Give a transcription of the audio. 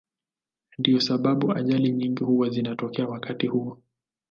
Ndiyo sababu ajali nyingi huwa zinatokea wakati huo.